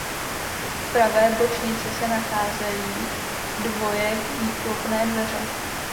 V pravé bočnici se nacházejí dvoje výklopné dveře.